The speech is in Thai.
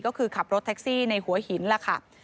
ก็คือขับรถแท็กซี่ในหัวหินล่ะค่ะ